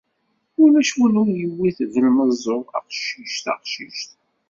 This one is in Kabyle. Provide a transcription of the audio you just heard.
Ulac wi ur yewwit belmeẓẓuɣ, aqcic taqcict